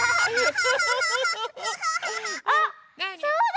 あっそうだ！